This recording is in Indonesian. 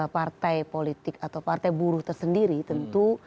partai politik atau partai buruh tersendiri tentu